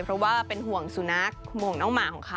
เพราะว่าเป็นห่วงสุนัขห่วงน้องหมาของเขา